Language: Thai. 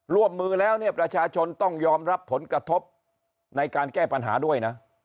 ร่วมมือแล้วเนี่ยประชาชนต้องยอมรับผลกระทบในการแก้ปัญหาด้วยนะ